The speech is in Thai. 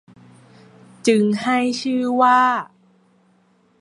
จึงให้ชื่อว่า